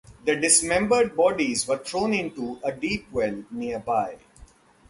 The dismembered bodies were thrown into a deep well nearby.